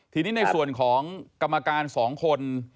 ทีนี้ในส่วนของกรรมการ๒คน